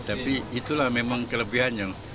tapi itulah memang kelebihannya